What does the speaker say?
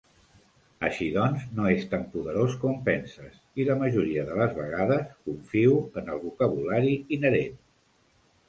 Així doncs, no és tan poderós com penses i la majoria de les vegades confio en el vocabulari inherent.